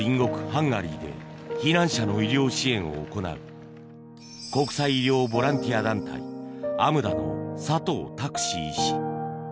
ハンガリーで避難者の医療支援を行う国際医療ボランティア団体ＡＭＤＡの佐藤拓史医師。